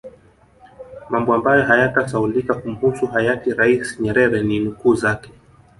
Mambo ambayo hayatasahaulika kumuhusu Hayati rais Nyerere ni nukuu zake